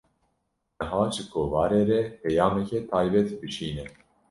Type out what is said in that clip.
Niha, ji kovarê re peyameke taybet bişîne